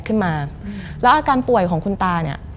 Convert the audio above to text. ขึ้นมาแล้วอาการป่วยของคุณตาเนี่ย